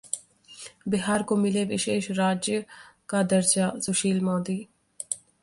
बिहार को मिले विशेष राज्य का दर्जा: सुशील मोदी